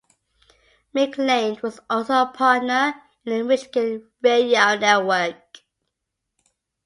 McLain was also a partner in the Michigan Radio Network.